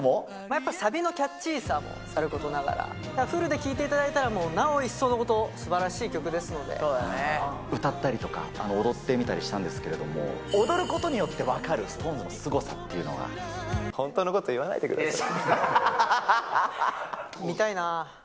やっぱりサビのキャッチーさもさることながら、フルで聴いていただいたら、もうなお一層のこと、すばらしい歌ったりとか踊ってみたりしたんですけれども、踊ることによって分かる、ＳｉｘＴＯＮＥＳの本当のこと言わないでくださ見たいな。